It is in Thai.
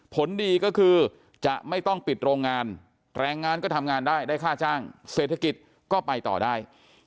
ผลดีก็คือจะไม่ต้องปิดโรงงานแรงงานก็ทำงานได้ได้ค่าจ้างเศรษฐกิจก็ไปต่อได้